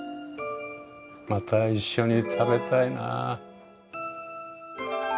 また一緒に食べたいな。